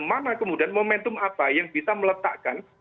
mana kemudian momentum apa yang bisa meletakkan